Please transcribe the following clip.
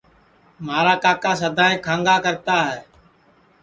مھارا کاکا سدائیں کھانٚگا کرا ہے